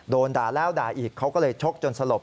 โดนด่าแล้วด่าอีกเขาก็เลยชกจนสลบ